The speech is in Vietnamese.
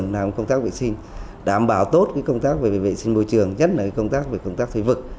làm công tác vệ sinh đảm bảo tốt công tác về vệ sinh môi trường nhất là công tác về công tác phê vực